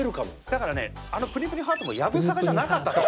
だからねあのぷにぷにハートもやぶさかじゃなかったと思う。